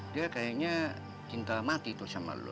dia kayaknya cinta mati tuh sama lo